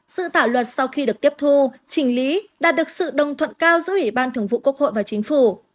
dự thảo luật sau khi được tiếp thu trình lý đạt được sự đồng thuận cao giữa ủy ban thường vụ quốc hội và chính phủ